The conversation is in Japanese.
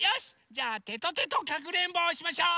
じゃあテトテトかくれんぼをしましょう！